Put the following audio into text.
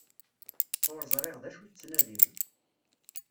Ur ẓriɣ d acu tettnadim.